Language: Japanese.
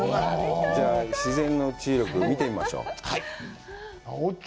じゃあ、自然の治癒力、見てみましょう。